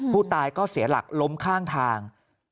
ผู้ตายก็เสียหลักล้มข้างทาง